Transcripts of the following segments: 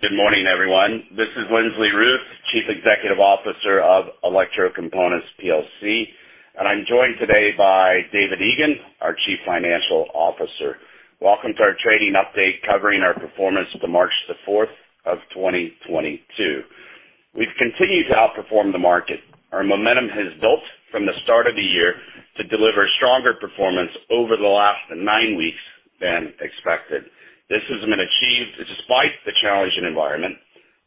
Good morning, everyone. This is Lindsley Ruth, Chief Executive Officer of Electrocomponents plc, and I'm joined today by David Egan, our Chief Financial Officer. Welcome to our trading update covering our performance to March 4th, 2022. We've continued to outperform the market. Our momentum has built from the start of the year to deliver stronger performance over the last nine weeks than expected. This has been achieved despite the challenging environment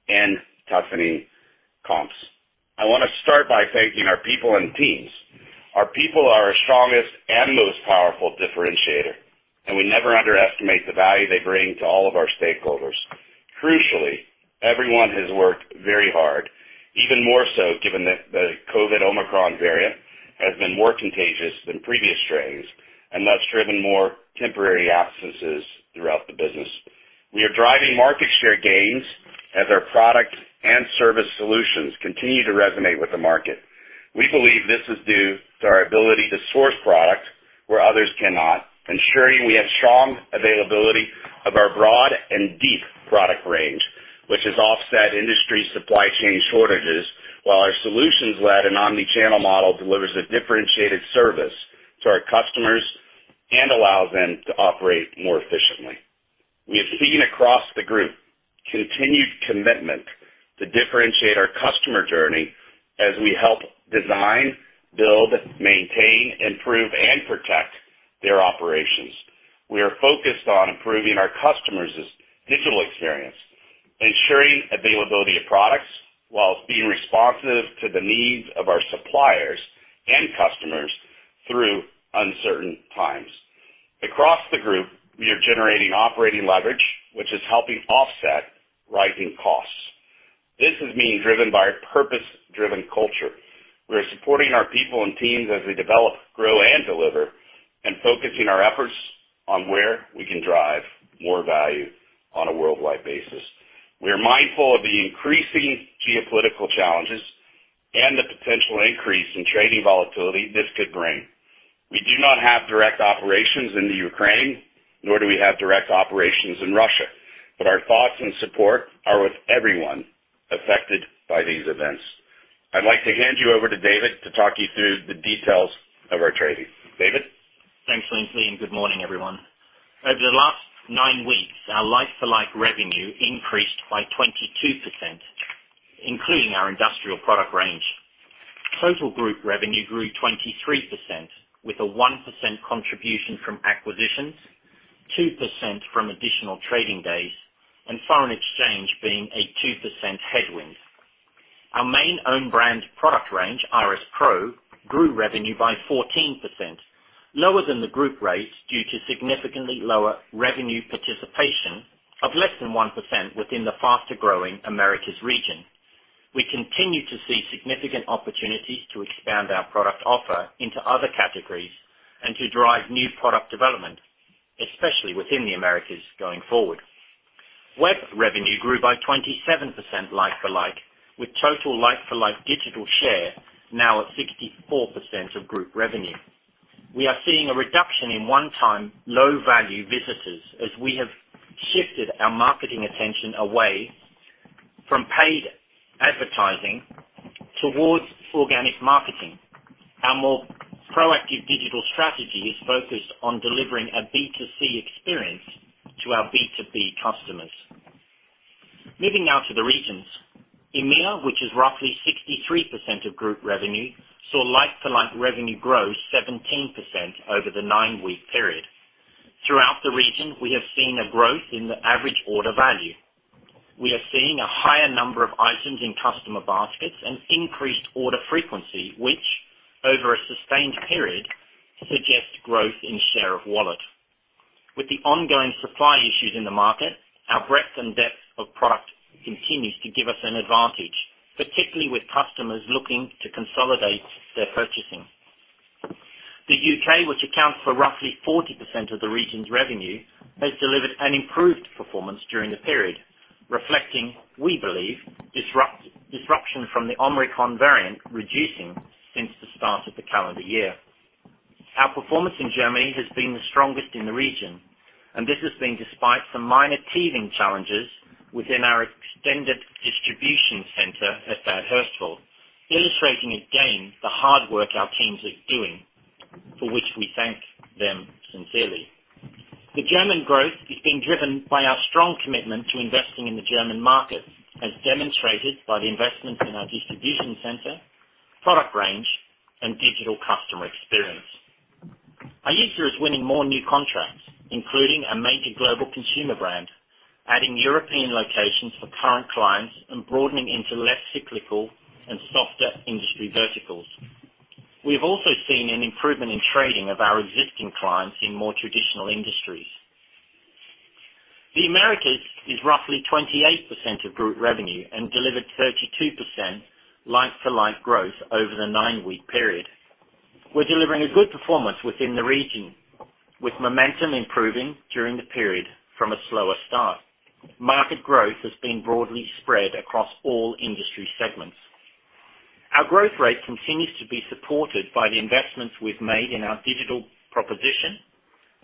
and toughening comps. I wanna start by thanking our people and teams. Our people are our strongest and most powerful differentiator, and we never underestimate the value they bring to all of our stakeholders. Crucially, everyone has worked very hard, even more so given that the COVID Omicron variant has been more contagious than previous strains and thus driven more temporary absences throughout the business. We are driving market share gains as our product and service solutions continue to resonate with the market. We believe this is due to our ability to source product where others cannot, ensuring we have strong availability of our broad and deep product range, which has offset industry supply chain shortages, while our solutions-led and omni-channel model delivers a differentiated service to our customers and allows them to operate more efficiently. We have seen across the group continued commitment to differentiate our customer journey as we help design, build, maintain, improve, and protect their operations. We are focused on improving our customers' digital experience, ensuring availability of products while being responsive to the needs of our suppliers and customers through uncertain times. Across the group, we are generating operating leverage, which is helping offset rising costs. This is being driven by a purpose-driven culture. We are supporting our people and teams as we develop, grow, and deliver, and focusing our efforts on where we can drive more value on a worldwide basis. We are mindful of the increasing geopolitical challenges and the potential increase in trading volatility this could bring. We do not have direct operations in the Ukraine, nor do we have direct operations in Russia, but our thoughts and support are with everyone affected by these events. I'd like to hand you over to David to talk you through the details of our trading. David? Thanks, Lindsley, and good morning, everyone. Over the last nine weeks, our like-for-like revenue increased by 22%, including our industrial product range. Total group revenue grew 23%, with a 1% contribution from acquisitions, 2% from additional trading days, and foreign exchange being a 2% headwind. Our main own brand product range, RS PRO, grew revenue by 14%, lower than the group rates due to significantly lower revenue participation of less than 1% within the faster-growing Americas region. We continue to see significant opportunities to expand our product offer into other categories and to drive new product development, especially within the Americas going forward. Web revenue grew by 27% like for like, with total like for like digital share now at 64% of group revenue. We are seeing a reduction in one-time low-value visitors as we have shifted our marketing attention away from paid advertising towards organic marketing. Our more proactive digital strategy is focused on delivering a B2C experience to our B2B customers. Moving now to the regions. EMEA, which is roughly 63% of group revenue, saw like-for-like revenue grow 17% over the nine-week period. Throughout the region, we have seen a growth in the average order value. We are seeing a higher number of items in customer baskets and increased order frequency, which, over a sustained period, suggests growth in share of wallet. With the ongoing supply issues in the market, our breadth and depth of product continues to give us an advantage, particularly with customers looking to consolidate their purchasing. The U.K., which accounts for roughly 40% of the region's revenue, has delivered an improved performance during the period, reflecting, we believe, disruption from the Omicron variant reducing since the start of the calendar year. Our performance in Germany has been the strongest in the region, and this has been despite some minor teething challenges within our extended distribution center at Bad Hersfeld, illustrating again the hard work our teams are doing, for which we thank them sincerely. The German growth is being driven by our strong commitment to investing in the German market, as demonstrated by the investments in our distribution center, product range, and digital customer experience. Our business is winning more new contracts, including a major global consumer brand, adding European locations for current clients, and broadening into less cyclical and softer industry verticals. We have also seen an improvement in trading of our existing clients in more traditional industries. The Americas is roughly 28% of group revenue and delivered 32% like-for-like growth over the nine-week period. We're delivering a good performance within the region, with momentum improving during the period from a slower start. Market growth has been broadly spread across all industry segments. Our growth rate continues to be supported by the investments we've made in our digital proposition,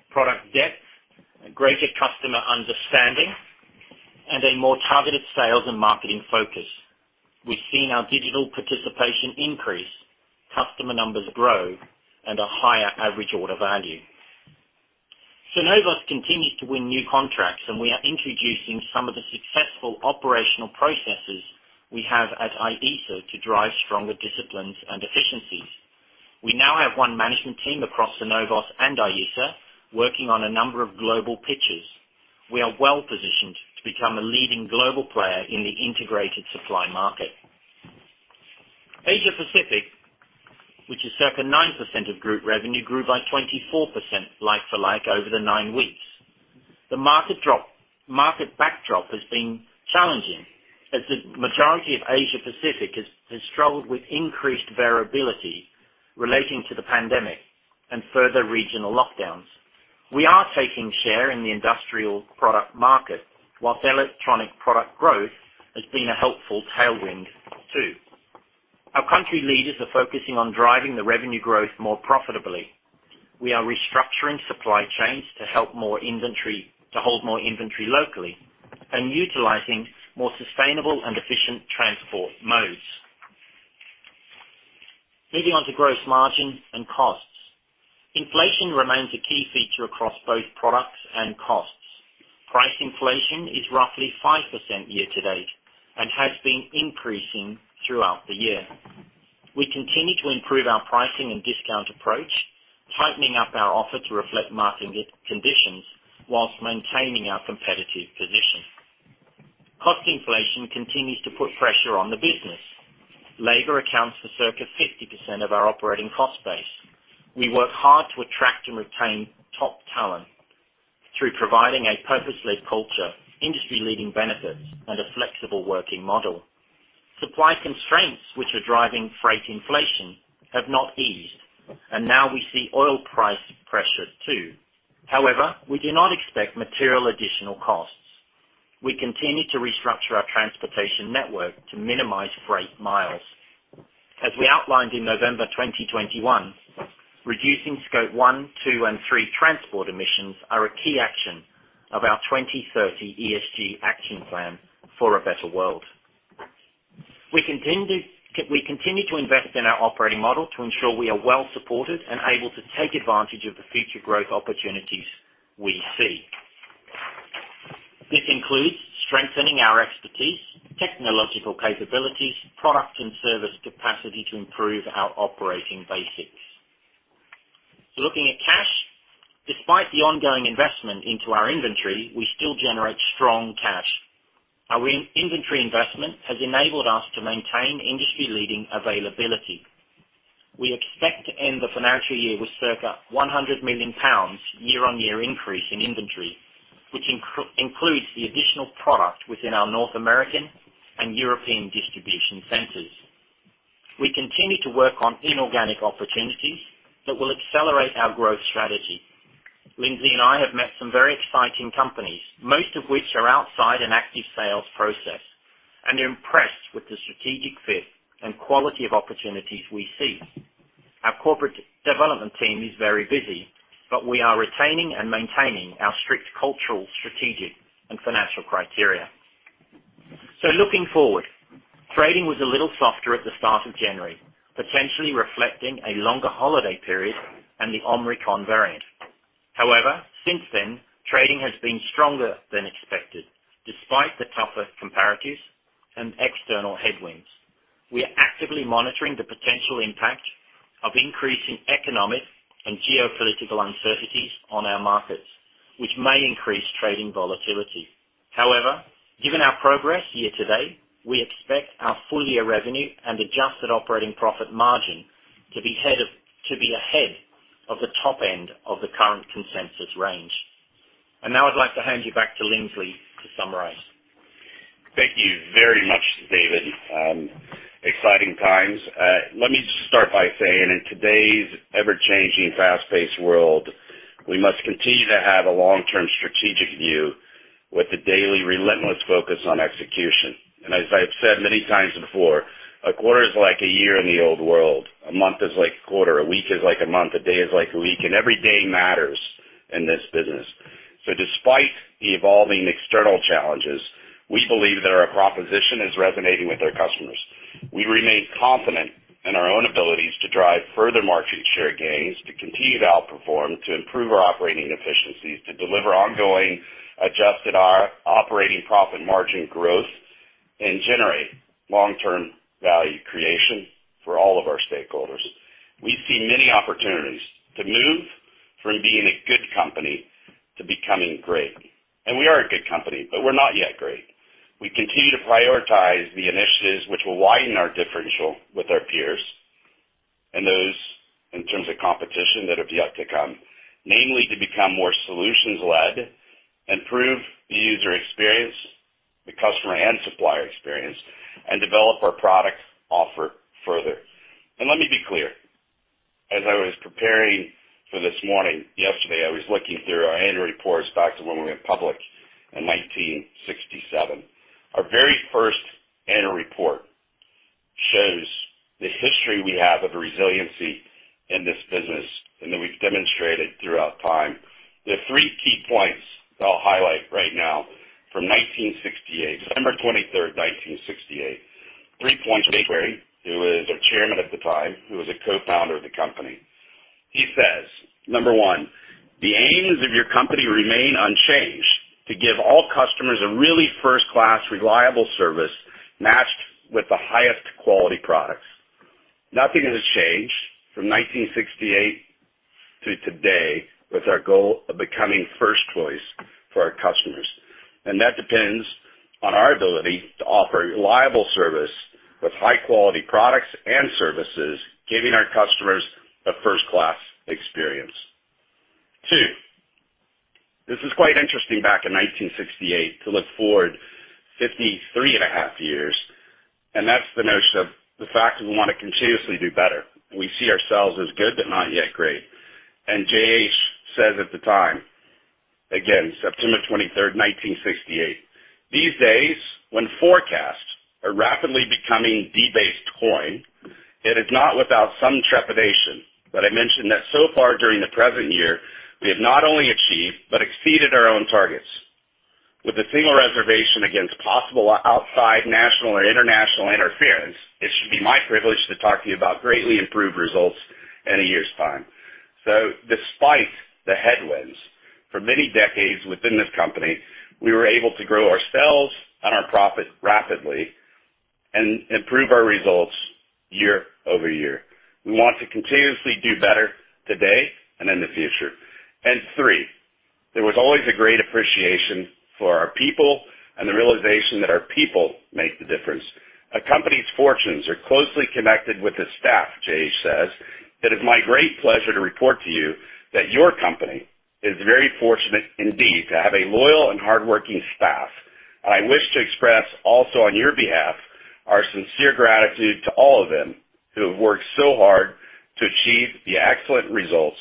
product depth, greater customer understanding, and a more targeted sales and marketing focus. We've seen our digital participation increase, customer numbers grow, and a higher average order value. Synovos continues to win new contracts, and we are introducing some of the successful operational processes we have at IESA to drive stronger disciplines and efficiencies. We now have one management team across Cenovus and IESA working on a number of global pitches. We are well-positioned to become a leading global player in the integrated supply market. Asia Pacific, which is circa 9% of group revenue, grew by 24% like-for-like over the nine weeks. The market backdrop has been challenging as the majority of Asia Pacific has struggled with increased variability relating to the pandemic and further regional lockdowns. We are taking share in the industrial product market, while electronic product growth has been a helpful tailwind too. Our country leaders are focusing on driving the revenue growth more profitably. We are restructuring supply chains to hold more inventory locally and utilizing more sustainable and efficient transport modes. Moving on to gross margin and costs. Inflation remains a key feature across both products and costs. Price inflation is roughly 5% year-to-date and has been increasing throughout the year. We continue to improve our pricing and discount approach, tightening up our offer to reflect market conditions while maintaining our competitive position. Cost inflation continues to put pressure on the business. Labor accounts for circa 50% of our operating cost base. We work hard to attract and retain top talent through providing a purpose-led culture, industry-leading benefits, and a flexible working model. Supply constraints, which are driving freight inflation, have not eased, and now we see oil price pressures too. However, we do not expect material additional costs. We continue to restructure our transportation network to minimize freight miles. As we outlined in November 2021, reducing Scope 1, 2, and 3 transport emissions are a key action of our 2030 ESG action plan for a better world. We continue to invest in our operating model to ensure we are well supported and able to take advantage of the future growth opportunities we see. This includes strengthening our expertise, technological capabilities, product and service capacity to improve our operating basics. Looking at cash. Despite the ongoing investment into our inventory, we still generate strong cash. Our inventory investment has enabled us to maintain industry-leading availability. We expect to end the financial year with circa 100 million pounds year-on-year increase in inventory, which includes the additional product within our North American and European distribution centers. We continue to work on inorganic opportunities that will accelerate our growth strategy. Lindsley and I have met some very exciting companies, most of which are outside an active sales process, and are impressed with the strategic fit and quality of opportunities we see. Our corporate development team is very busy, but we are retaining and maintaining our strict cultural, strategic, and financial criteria. Looking forward, trading was a little softer at the start of January, potentially reflecting a longer holiday period and the Omicron variant. However, since then, trading has been stronger than expected, despite the tougher comparatives and external headwinds. We are actively monitoring the potential impact of increasing economic and geopolitical uncertainties on our markets, which may increase trading volatility. However, given our progress year-to-date, we expect our full-year revenue and adjusted operating profit margin to be ahead of the top end of the current consensus range. Now I'd like to hand you back to Lindsley to summarize. Thank you very much, David. Exciting times. Let me just start by saying, in today's ever-changing, fast-paced world, we must continue to have a long-term strategic view with a daily relentless focus on execution. As I've said many times before, a quarter is like a year in the old world. A month is like a quarter, a week is like a month, a day is like a week, and every day matters in this business. Despite the evolving external challenges, we believe that our proposition is resonating with our customers. We remain confident in our own abilities to drive further market share gains, to compete and outperform, to improve our operating efficiencies, to deliver ongoing adjusted operating profit margin growth, and generate long-term value creation for all of our stakeholders. We see many opportunities to move from being a good company to becoming great. We are a good company, but we're not yet great. We continue to prioritize the initiatives which will widen our differential with our peers and those, in terms of competition, that have yet to come, namely to become more solutions-led, improve the user experience, the customer and supplier experience, and develop our product offer further. Let me be clear. As I was preparing for this morning, yesterday, I was looking through our annual reports back to when we went public in 1967. Our very first annual report shows the history we have of resiliency in this business and that we've demonstrated throughout time. The three key points that I'll highlight right now from 1968, September 23rd, 1968. Three points from J.H. Waring, who was our Chairman at the time, who was a co-founder of the company. He says, number one, "The aims of your company remain unchanged to give all customers a really first-class, reliable service matched with the highest quality products." Nothing has changed from 1968 to today with our goal of becoming first choice for our customers. That depends on our ability to offer reliable service with high-quality products and services, giving our customers a first-class experience. Two, this is quite interesting back in 1968 to look forward 53.5 years, and that's the notion of the fact that we wanna continuously do better. We see ourselves as good, but not yet great. J.H. says at the time, again, September 23rd, 1968, "These days, when forecasts are rapidly becoming debased coin, it is not without some trepidation that I mention that so far during the present year, we have not only achieved but exceeded our own targets. With a single reservation against possible outside national or international interference, it should be my privilege to talk to you about greatly improved results in a year's time. Despite the headwinds, for many decades within this company, we were able to grow our sales and our profit rapidly and improve our results year-over-year. We want to continuously do better today and in the future. Three, there was always a great appreciation for our people and the realization that our people make the difference. "A company's fortunes are closely connected with the staff," J.H. says. "It is my great pleasure to report to you that your company is very fortunate indeed to have a loyal and hardworking staff. I wish to express also on your behalf, our sincere gratitude to all of them who have worked so hard to achieve the excellent results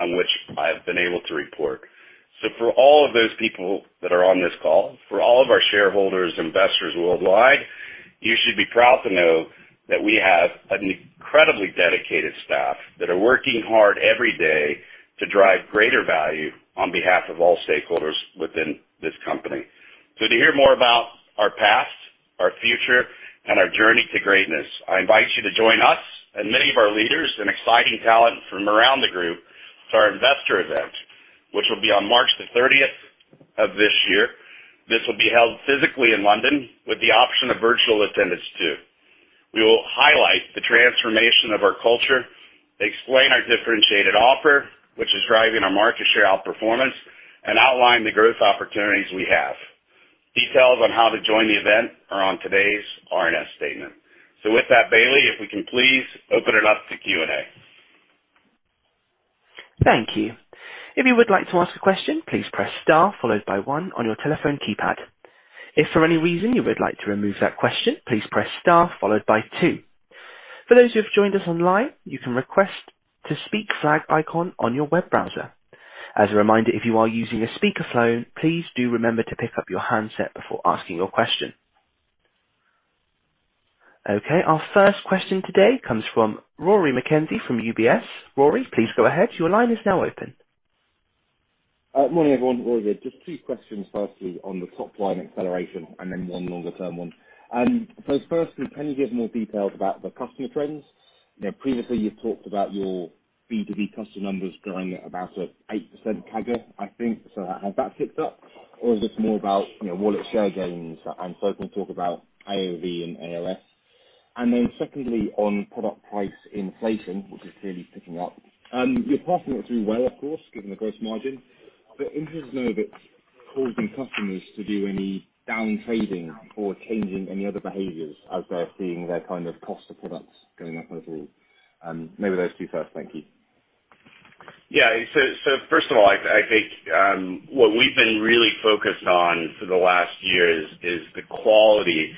on which I have been able to report." For all of those people that are on this call, for all of our shareholders, investors worldwide, you should be proud to know that we have an incredibly dedicated staff that are working hard every day to drive greater value on behalf of all stakeholders within this company. To hear more about our past, our future, and our journey to greatness, I invite you to join us and many of our leaders and exciting talent from around the group to our investor event, which will be on March the thirtieth of this year. This will be held physically in London with the option of virtual attendance too. We will highlight the transformation of our culture, explain our differentiated offer, which is driving our market share outperformance, and outline the growth opportunities we have. Details on how to join the event are on today's RNS statement. With that, Bailey, if we can please open it up to Q&A. Thank you. If you would like to ask a question, please press star followed by one on your telephone keypad. If for any reason you would like to remove that question, please press star followed by two. For those who have joined us online, you can request to speak flag icon on your web browser. As a reminder, if you are using a speakerphone, please do remember to pick up your handset before asking your question. Okay, our first question today comes from Rory McKenzie from UBS. Rory, please go ahead. Your line is now open. Morning, everyone. Rory here. Just two questions. Firstly, on the top line acceleration and then one longer-term one. Firstly, can you give more details about the customer trends? You know, previously you've talked about your B2B customer numbers growing at about a 8% CAGR, I think. Has that picked up or is this more about, you know, wallet share gains? And secondly, talk about AOV and ALS. And then secondly, on product price inflation, which is clearly picking up, you're passing it through well, of course, given the gross margin. Interested to know if it's causing customers to do any down trading or changing any other behaviors as they're seeing their kind of cost of products going up overall. Maybe those two first. Thank you. Yeah. First of all, I think what we've been really focused on for the last year is the quality of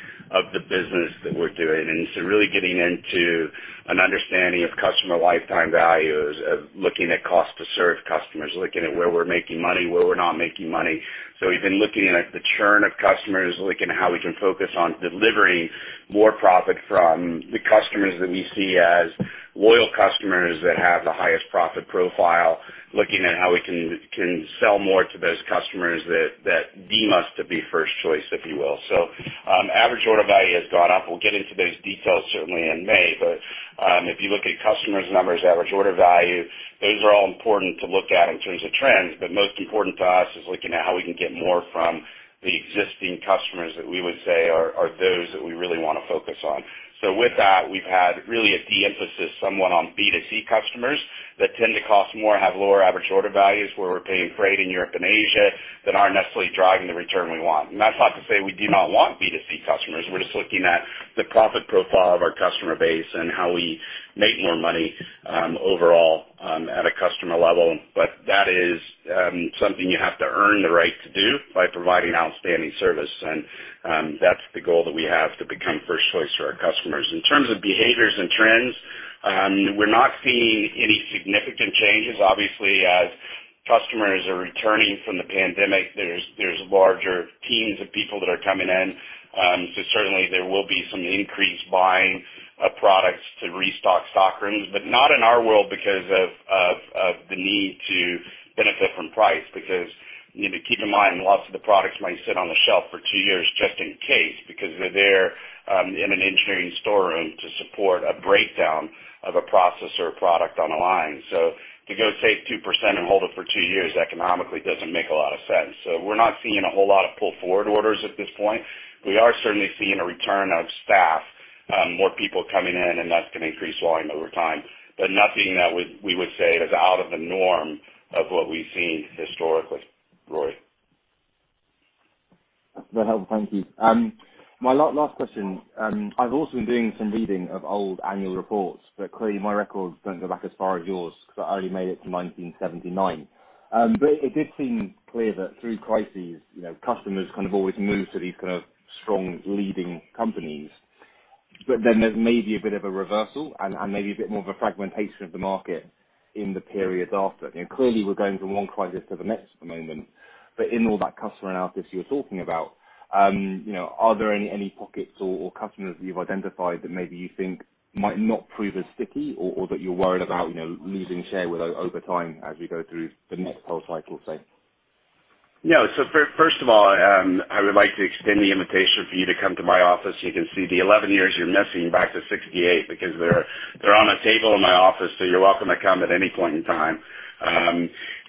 the business that we're doing, and really getting into an understanding of customer lifetime values, of looking at cost to serve customers, looking at where we're making money, where we're not making money. We've been looking at the churn of customers, looking at how we can focus on delivering more profit from the customers that we see as loyal customers that have the highest profit profile, looking at how we can sell more to those customers that deem us to be first choice, if you will. Average order value has gone up. We'll get into those details certainly in May, but if you look at customer numbers, average order value, those are all important to look at in terms of trends. Most important to us is looking at how we can get more from the existing customers that we would say are those that we really wanna focus on. With that, we've had really a de-emphasis somewhat on B2C customers that tend to cost more, have lower average order values where we're paying freight in Europe and Asia that aren't necessarily driving the return we want. That's not to say we do not want B2C customers. We're just looking at the profit profile of our customer base and how we make more money overall. That is something you have to earn the right to do by providing outstanding service. That's the goal that we have to become first choice to our customers. In terms of behaviors and trends, we're not seeing any significant changes. Obviously, as customers are returning from the pandemic, there's larger teams of people that are coming in. Certainly there will be some increased buying of products to restock stock rooms, but not in our world because of the need to benefit from price. Because you need to keep in mind, lots of the products might sit on the shelf for two years just in case, because they're there in an engineering storeroom to support a breakdown of a process or a product on a line. To go save 2% and hold it for two years economically doesn't make a lot of sense. We're not seeing a whole lot of pull-forward orders at this point. We are certainly seeing a return of staff, more people coming in, and that's gonna increase volume over time, but nothing that we would say is out of the norm of what we've seen historically. Rory? That's very helpful. Thank you. My last question. I've also been doing some reading of old annual reports, but clearly my records don't go back as far as yours, 'cause I only made it to 1979. It did seem clear that through crises, you know, customers kind of always move to these kind of strong leading companies. Then there's maybe a bit of a reversal and maybe a bit more of a fragmentation of the market in the periods after. You know, clearly we're going from one crisis to the next at the moment. In all that customer analysis you're talking about, you know, are there any pockets or customers that you've identified that maybe you think might not prove as sticky or that you're worried about, you know, losing share with over time as we go through the next whole cycle, say? No. First of all, I would like to extend the invitation for you to come to my office so you can see the 11 years you're missing back to 1968 because they're on a table in my office, so you're welcome to come at any point in time.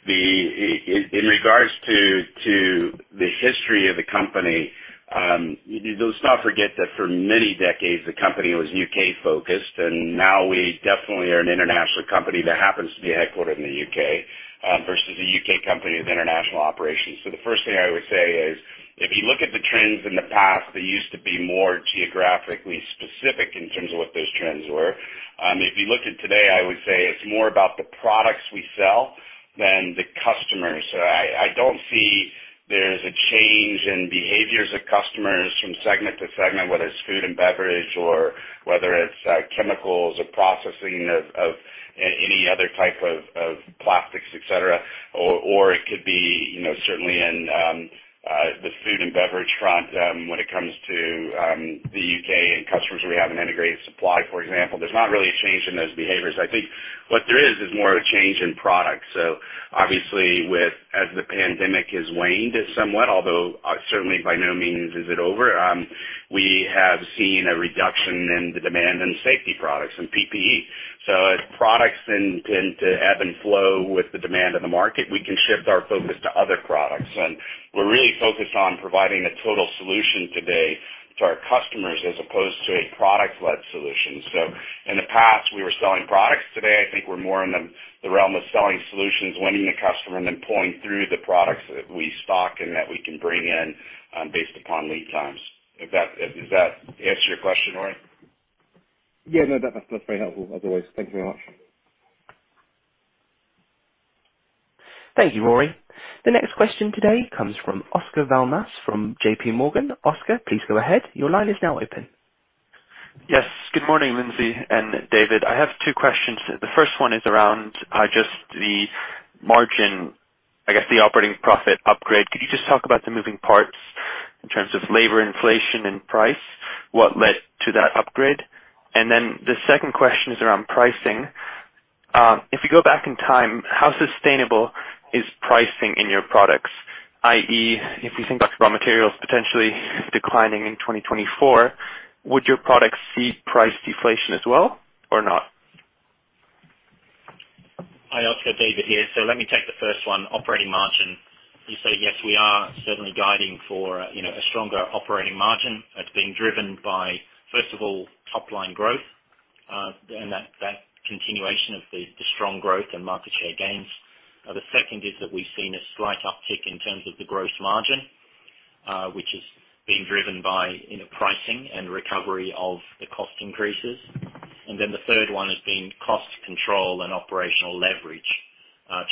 In regards to the history of the company, you just can't forget that for many decades the company was U.K. focused, and now we definitely are an international company that happens to be headquartered in the U.K., versus a U.K. company with international operations. The first thing I would say is if you look at the trends in the past, they used to be more geographically specific in terms of what those trends were. If you look at today, I would say it's more about the products we sell than the customers. I don't see there's a change in behaviors of customers from segment to segment, whether it's food and beverage or whether it's chemicals or processing of any other type of plastics, et cetera. Or it could be, you know, certainly in the food and beverage front, when it comes to the U.K. and customers where we have an integrated supply, for example. There's not really a change in those behaviors. I think what there is is more of a change in product. Obviously, as the pandemic has waned somewhat, although certainly by no means is it over, we have seen a reduction in the demand in safety products and PPE. As products tend to ebb and flow with the demand of the market, we can shift our focus to other products. We're really focused on providing a total solution today to our customers as opposed to a product-led solution. In the past, we were selling products. Today, I think we're more in the realm of selling solutions, winning the customer, and then pulling through the products that we stock and that we can bring in, based upon lead times. Does that answer your question, Rory? Yeah, no, that's very helpful as always. Thank you very much. Thank you, Rory. The next question today comes from Oscar Val Mas from JPMorgan. Oscar, please go ahead. Your line is now open. Yes. Good morning, Lindsley and David. I have two questions. The first one is around just the margin, I guess the operating profit upgrade. Could you just talk about the moving parts in terms of labor inflation and price? What led to that upgrade? The second question is around pricing. If you go back in time, how sustainable is pricing in your products? i.e., if you think about materials potentially declining in 2024, would your products see price deflation as well or not? Hi, Oscar. David here. Let me take the first one, operating margin. You say, yes, we are certainly guiding for, you know, a stronger operating margin. It's being driven by, first of all, top-line growth, and that continuation of the strong growth and market share gains. The second is that we've seen a slight uptick in terms of the gross margin, which is being driven by, you know, pricing and recovery of the cost increases. Then the third one has been cost control and operational leverage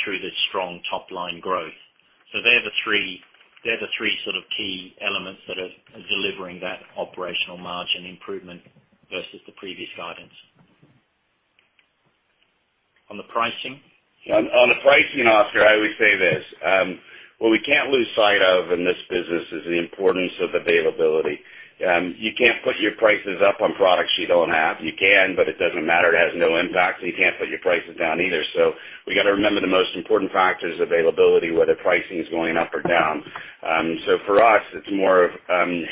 through this strong top-line growth. They're the three sort of key elements that are delivering that operational margin improvement versus the previous guidance. On the pricing? On the pricing, Oscar, I always say this. What we can't lose sight of in this business is the importance of availability. You can't put your prices up on products you don't have. You can, but it doesn't matter. It has no impact. You can't put your prices down either. We gotta remember the most important factor is availability, whether pricing is going up or down. For us, it's more of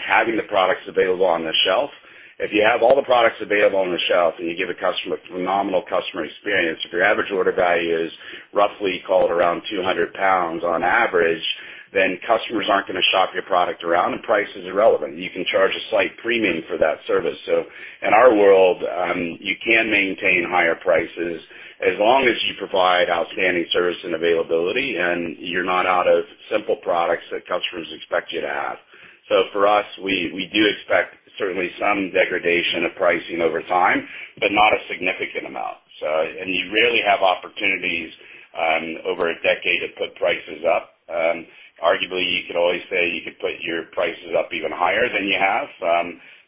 having the products available on the shelf. If you have all the products available on the shelf and you give a customer a phenomenal customer experience, if your average order value is roughly around 200 pounds on average, then customers aren't gonna shop your product around and price is irrelevant. You can charge a slight premium for that service. In our world, you can maintain higher prices as long as you provide outstanding service and availability and you're not out of simple products that customers expect you to have. For us, we do expect certainly some degradation of pricing over time, but not a significant amount. You rarely have opportunities over a decade to put prices up. Arguably, you could always say you could put your prices up even higher than you have,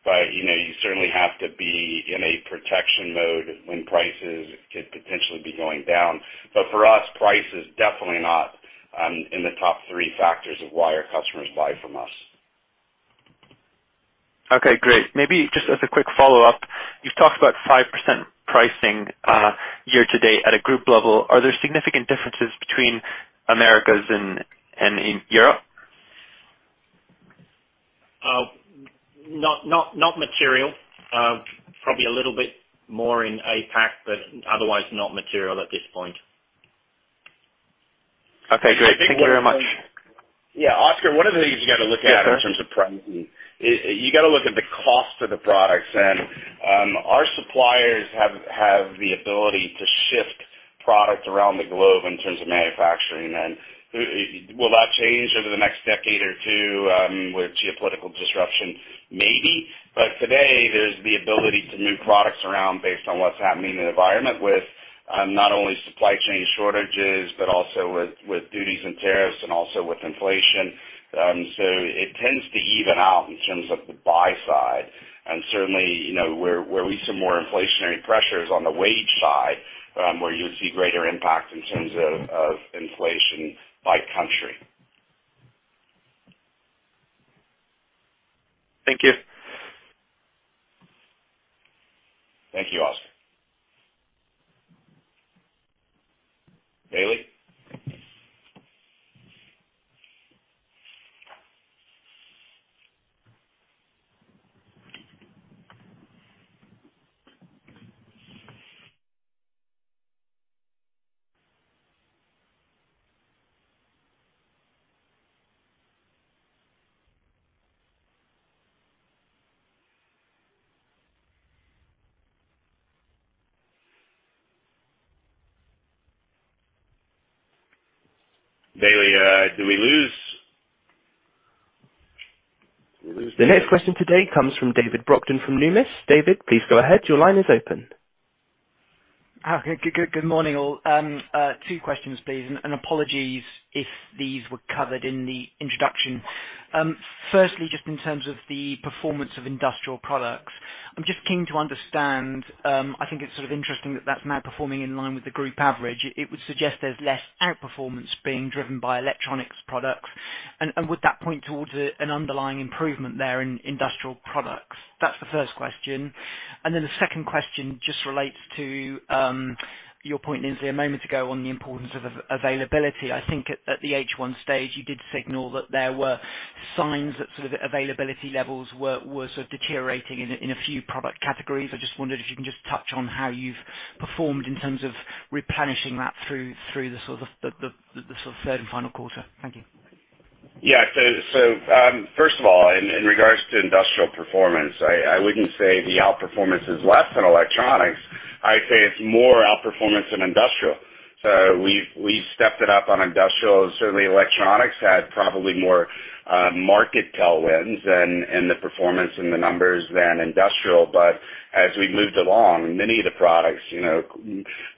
but you know, you certainly have to be in a protection mode when prices could potentially be going down. For us, price is definitely not in the top three factors of why our customers buy from us. Okay, great. Maybe just as a quick follow-up, you've talked about 5% pricing year to date at a group level. Are there significant differences between Americas and in Europe? Not material. Probably a little bit more in APAC, but otherwise not material at this point. Okay, great. Thank you very much. Yeah. Oscar, one of the things you got to look at. Yes, sir. In terms of pricing, you got to look at the cost of the products. Our suppliers have the ability to shift product around the globe in terms of manufacturing. Will that change over the next decade or two with geopolitical disruption? Maybe. Today, there's the ability to move products around based on what's happening in the environment with not only supply chain shortages, but also with duties and tariffs and also with inflation. It tends to even out in terms of the buy side. Certainly, you know, where we see more inflationary pressures on the wage side, where you would see greater impact in terms of inflation by country. Thank you. Thank you, Oscar. Bailey, did we lose? The next question today comes from David Brockton from Numis. David, please go ahead. Your line is open. Good morning, all. Two questions, please, and apologies if these were covered in the introduction. Firstly, just in terms of the performance of industrial products, I'm just keen to understand. I think it's sort of interesting that that's now performing in line with the group average. It would suggest there's less outperformance being driven by electronics products. Would that point towards an underlying improvement there in industrial products? That's the first question. The second question just relates to your point, Lindsley, a moment ago on the importance of availability. I think at the H1 stage, you did signal that there were signs that sort of availability levels were sort of deteriorating in a few product categories. I just wondered if you can just touch on how you've performed in terms of replenishing that through the sort of third and final quarter. Thank you. Yeah, so first of all, in regards to industrial performance, I wouldn't say the outperformance is less than electronics. I'd say it's more outperformance than industrial. We've stepped it up on industrial. Certainly, electronics has probably more market tailwinds than in the performance and the numbers than industrial. But as we've moved along, many of the products, you know,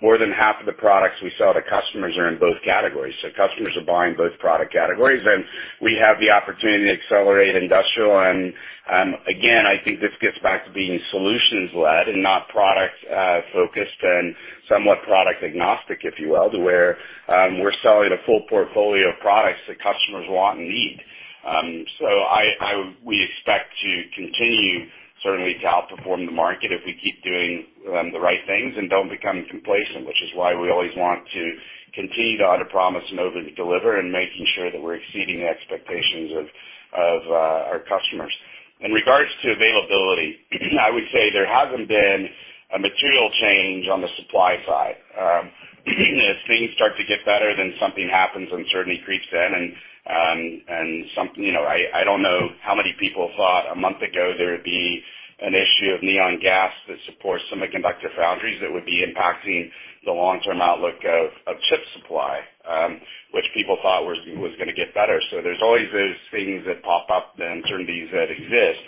more than half of the products we sell to customers are in both categories. Customers are buying both product categories, and we have the opportunity to accelerate industrial. Again, I think this gets back to being solutions led and not product focused and somewhat product agnostic, if you will, to where we're selling a full portfolio of products that customers want and need. We expect to continue certainly to outperform the market if we keep doing the right things and don't become complacent, which is why we always want to continue to under promise and over deliver and making sure that we're exceeding the expectations of our customers. In regards to availability, I would say there hasn't been a material change on the supply side. As things start to get better, then something happens, uncertainty creeps in. You know, I don't know how many people thought a month ago there would be an issue of neon gas that supports semiconductor foundries that would be impacting the long-term outlook of chip supply, which people thought was gonna get better. There's always those things that pop up, the uncertainties that exist.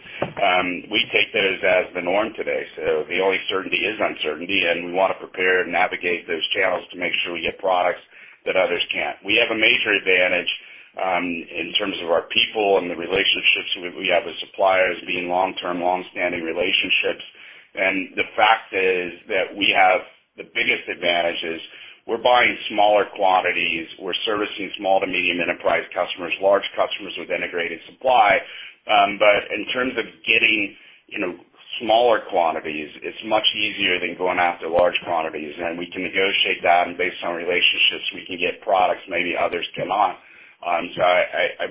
We take those as the norm today. The only certainty is uncertainty, and we want to prepare and navigate those channels to make sure we get products that others can't. We have a major advantage in terms of our people and the relationships we have with suppliers being long-term, long-standing relationships. The fact is that we have the biggest advantages. We're buying smaller quantities. We're servicing small to medium enterprise customers, large customers with integrated supply. In terms of getting, you know, smaller quantities, it's much easier than going after large quantities. We can negotiate that and based on relationships, we can get products maybe others cannot.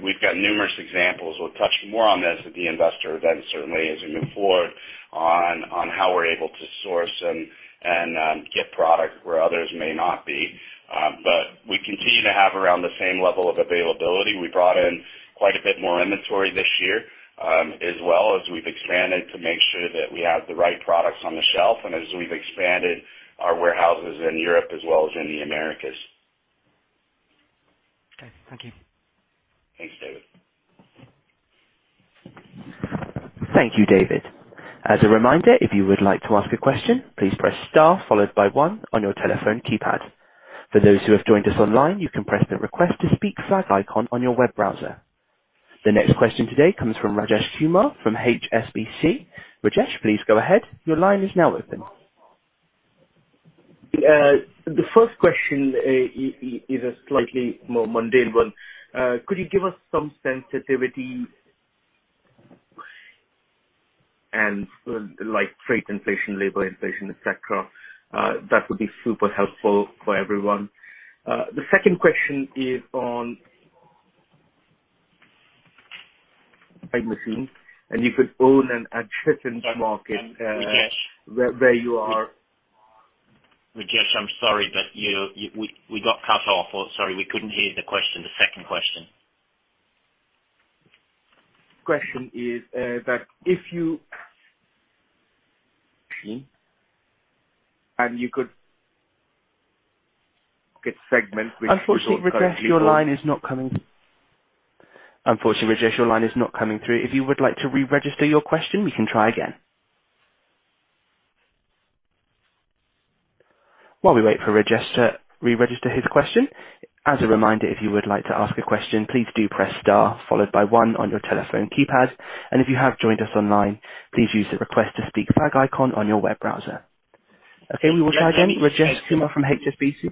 We've got numerous examples. We'll touch more on this at the investor event, certainly as we move forward on how we're able to source and get product where others may not be. We continue to have around the same level of availability. We brought in quite a bit more inventory this year, as well as we've expanded to make sure that we have the right products on the shelf and as we've expanded our warehouses in Europe as well as in the Americas. Okay. Thank you. Thanks, David. Thank you, David. As a reminder, if you would like to ask a question, please press star followed by one on your telephone keypad. For those who have joined us online, you can press the Request to Speak flag icon on your web browser. The next question today comes from Rajesh Kumar from HSBC. Rajesh, please go ahead. Your line is now open. The first question is a slightly more mundane one. Could you give us some sensitivity and like freight inflation, labor inflation, et cetera? The second question is on type machine, and you could own an adjacent market. Rajesh. Where you are. Rajesh, I'm sorry, but we got cut off. Or sorry, we couldn't hear the question, the second question. Question is, if you could get segments which. Unfortunately, Rajesh, your line is not coming through. If you would like to re-register your question, we can try again. While we wait for Rajesh to re-register his question, as a reminder, if you would like to ask a question, please do press star followed by one on your telephone keypad. If you have joined us online, please use the Request to Speak flag icon on your web browser. Okay, we will try again. Rajesh Kumar from HSBC.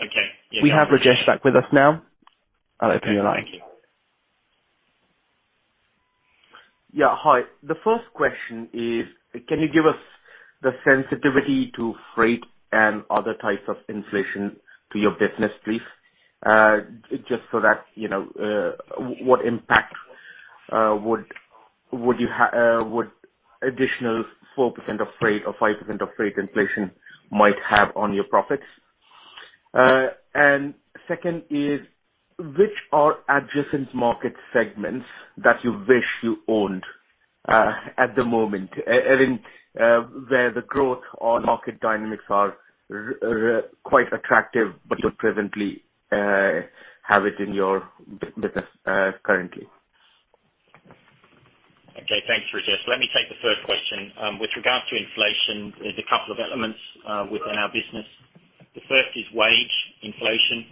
Okay. We have Rajesh back with us now. I'll open your line. Thank you. Yeah, hi. The first question is, can you give us the sensitivity to freight and other types of inflation to your business, please? Just so that, you know, what impact would additional 4% of freight or 5% of freight inflation might have on your profits. Second is, which are adjacent market segments that you wish you owned, at the moment? I mean, where the growth or market dynamics are quite attractive, but you presently have it in your business currently. Okay, thanks, Rajesh. Let me take the first question. With regards to inflation, there's a couple of elements within our business. The first is wage inflation.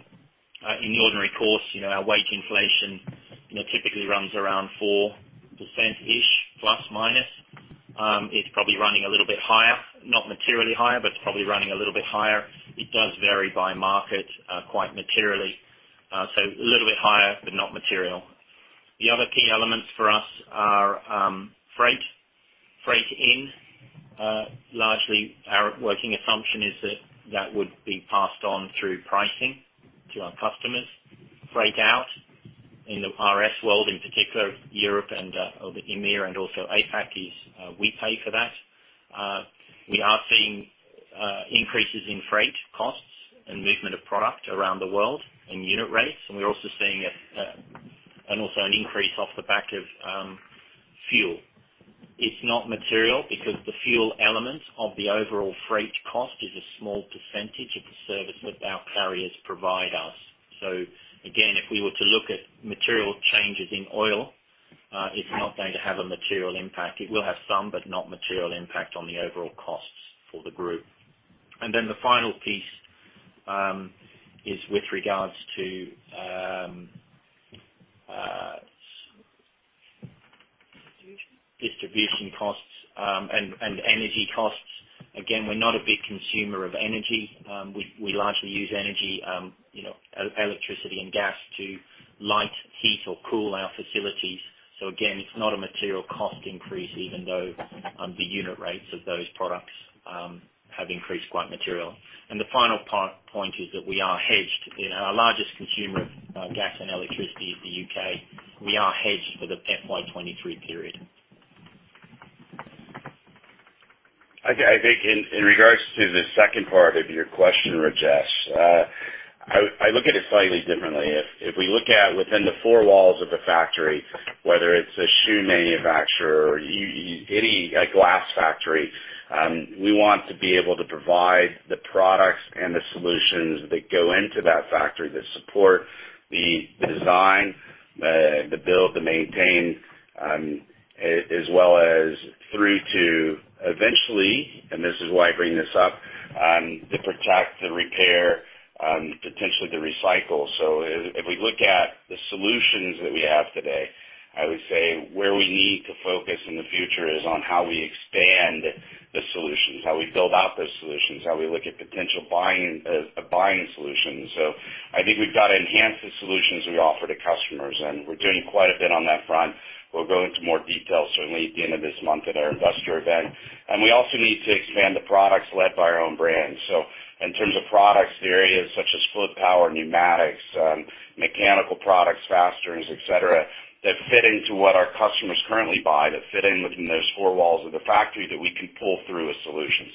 In the ordinary course, you know, our wage inflation, you know, typically runs around 4%-ish±. It's probably running a little bit higher. Not materially higher, but it's probably running a little bit higher. It does vary by market quite materially. So a little bit higher, but not material. The other key elements for us are freight in, largely our working assumption is that that would be passed on through pricing to our customers. Freight out in the RS world, in particular Europe and or the EMEA and also APAC is we pay for that. We are seeing increases in freight costs and movement of product around the world and unit rates, and we're also seeing an increase off the back of fuel. It's not material because the fuel element of the overall freight cost is a small percentage of the service that our carriers provide us. Again, if we were to look at material changes in oil, it's not going to have a material impact. It will have some, but not material impact on the overall costs for the group. Then the final piece is with regards to s- Distribution. Distribution costs, and energy costs. Again, we're not a big consumer of energy. We largely use energy, you know, electricity and gas to light, heat or cool our facilities. Again, it's not a material cost increase, even though the unit rates of those products have increased quite materially. The final point is that we are hedged. You know, our largest consumer of gas and electricity is the U.K. We are hedged for the FY 2023 period. Okay. I think in regards to the second part of your question, Rajesh, I look at it slightly differently. If we look at within the four walls of the factory, whether it's a shoe manufacturer or any, a glass factory, we want to be able to provide the products and the solutions that go into that factory that support the design, the build, the maintain, as well as through to eventually, and this is why I bring this up, to protect, to repair, potentially to recycle. If we look at the solutions that we have today, I would say where we need to focus in the future is on how we expand the solutions, how we build out those solutions, how we look at potential buying solutions. I think we've got to enhance the solutions we offer to customers, and we're doing quite a bit on that front. We'll go into more detail certainly at the end of this month at our investor event. We also need to expand the products led by our own brands. In terms of products, the areas such as fluid power, pneumatics, mechanical products, fasteners, et cetera, that fit into what our customers currently buy, that fit in within those four walls of the factory that we can pull through a solution.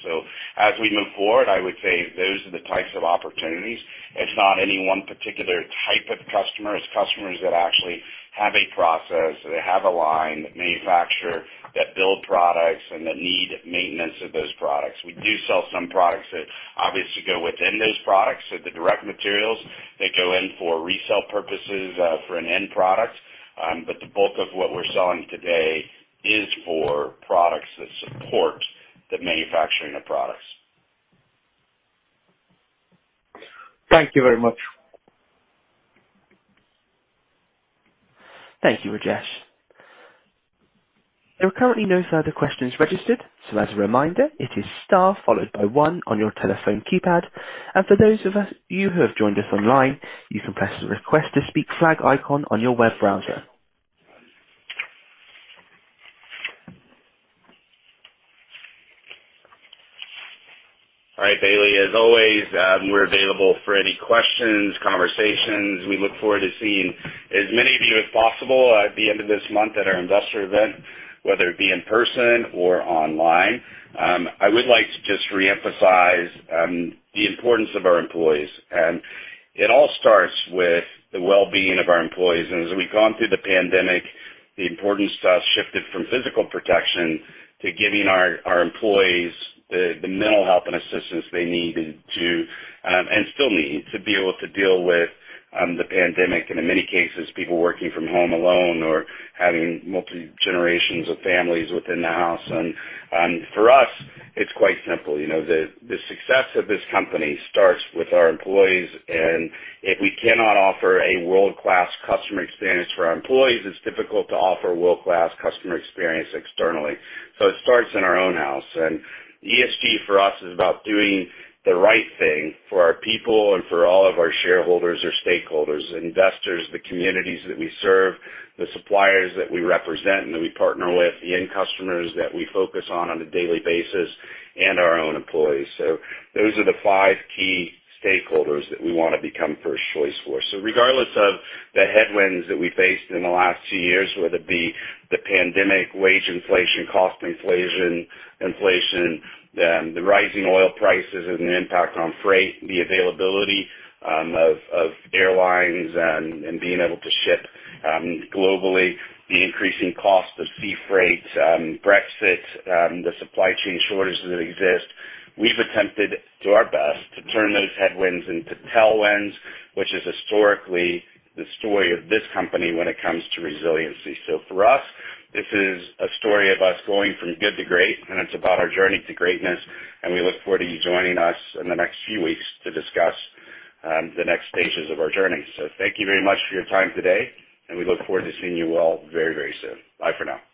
As we move forward, I would say those are the types of opportunities. It's not any one particular type of customer. It's customers that actually have a process, they have a line, that manufacture, that build products, and that need maintenance of those products. We do sell some products that obviously go within those products, so the direct materials that go in for resale purposes, for an end product. The bulk of what we're selling today is for products that support the manufacturing of products. Thank you very much. Thank you, Rajesh. There are currently no further questions registered, so as a reminder, it is star followed by one on your telephone keypad. For those of you who have joined us online, you can press the Request to Speak flag icon on your web browser. All right, Bailey. As always, we're available for any questions, conversations. We look forward to seeing as many of you as possible at the end of this month at our investor event, whether it be in person or online. I would like to just reemphasize the importance of our employees. It all starts with the well-being of our employees. As we've gone through the pandemic, the importance to us shifted from physical protection to giving our employees the mental health and assistance they needed to and still need to be able to deal with the pandemic and in many cases, people working from home alone or having multi-generations of families within the house. For us, it's quite simple, you know. The success of this company starts with our employees. If we cannot offer a world-class customer experience for our employees, it's difficult to offer world-class customer experience externally. It starts in our own house. ESG for us is about doing the right thing for our people and for all of our shareholders or stakeholders, investors, the communities that we serve, the suppliers that we represent and that we partner with, the end customers that we focus on a daily basis, and our own employees. Those are the five key stakeholders that we wanna become first choice for. Regardless of the headwinds that we faced in the last two years, whether it be the pandemic, wage inflation, cost inflation, the rising oil prices and the impact on freight, the availability of airlines and being able to ship globally, the increasing cost of sea freight, Brexit, the supply chain shortages that exist, we've attempted to our best to turn those headwinds into tailwinds, which is historically the story of this company when it comes to resiliency. For us, this is a story of us going from good to great, and it's about our journey to greatness, and we look forward to you joining us in the next few weeks to discuss the next stages of our journey. Thank you very much for your time today, and we look forward to seeing you all very, very soon. Bye for now.